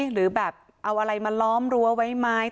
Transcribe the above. หรือแบบเอาอะไรมาล้อมรั้วไว้ไหม